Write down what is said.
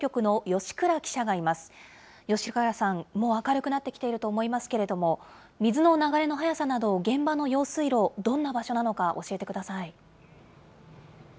吉倉さん、もう明るくなってきていると思いますけれども、水の流れの速さなど、現場の用水路、どんな場所なのか教えてください。